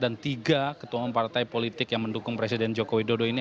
dan tiga ketua umum partai politik yang mendukung presiden joko widodo ini